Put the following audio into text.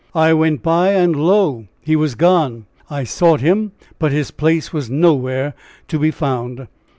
I went by, and lo! he was gone; I sought him, but his place was nowhere to be found."